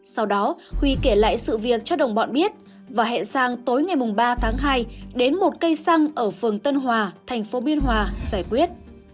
sau đó huy kể lại sự việc cho đồng bọn biết và hẹn sang tối ngày ba tháng hai đến một cây xăng ở phường tân hòa thành phố biên hòa giải quyết